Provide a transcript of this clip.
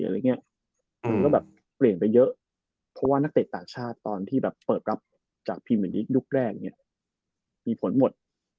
แล้วก็เปลี่ยนไปเยอะเพราะว่านักเตะต่างชาติตอนที่เปิดรับจากพี่เมริกลุกแรกมีผลหมด